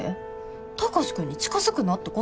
貴司君に近づくなってこと？